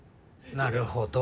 なるほど。